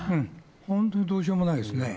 本当にどうしようもないですね。